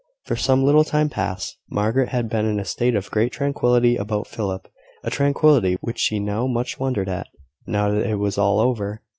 For some little time past, Margaret had been in a state of great tranquillity about Philip a tranquillity which she now much wondered at now that it was all over.